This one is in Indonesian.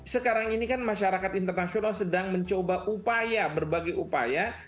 sekarang ini kan masyarakat internasional sedang mencoba upaya berbagai upaya